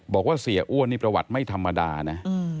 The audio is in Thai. บอกว่าเสียอ้วนนี่ประวัติไม่ธรรมดานะ